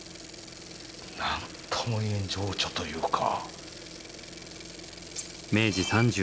何とも言えん情緒というか。